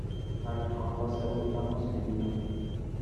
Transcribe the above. من می خواهم با سئول تماس بگیرم.